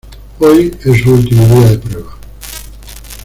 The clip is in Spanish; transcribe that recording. Hoy es su último día de prueba.